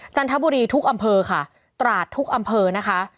จันทบุรีทุกอำเภอค่ะตราดทุกอำเภอนะคะ